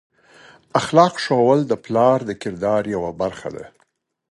اخلاق ښوول د پلار د کردار یوه برخه ده.